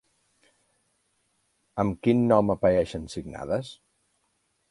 Amb quin nom apareixen signades?